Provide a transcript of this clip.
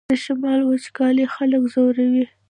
د شمال وچکالي خلک ځوروي